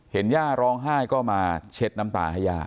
เห็นหญ้าร้องไห้ก็มาเช็ดน้ำตาให้หญ้า